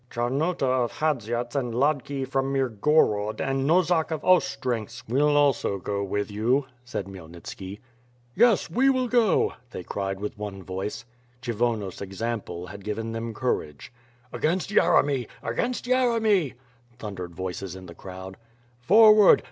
Charnota of Hadziats and Hladki from Mirgorod and Nosach of Ostrensk will also go with you," said Khrayelnitski. "Yee, we will go," they cried with one voice. Kshyvonos' example had given them courage. "Against Yeremy, against Yeremy," thundered voices in the crowd. "Forward!